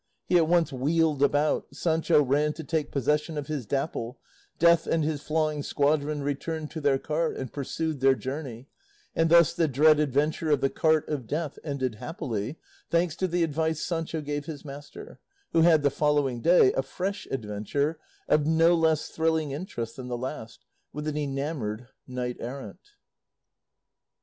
He at once wheeled about, Sancho ran to take possession of his Dapple, Death and his flying squadron returned to their cart and pursued their journey, and thus the dread adventure of the cart of Death ended happily, thanks to the advice Sancho gave his master; who had, the following day, a fresh adventure, of no less thrilling interest than the last, with an enamoured knight errant.